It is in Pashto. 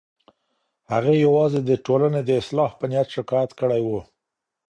هغې یوازې د ټولنې د اصلاح په نیت شکایت کړی و.